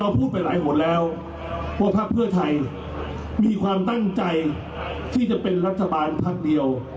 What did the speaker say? พูดไปหลายหนแล้วว่าพักเพื่อไทยมีความตั้งใจที่จะเป็นรัฐบาลพักเดียว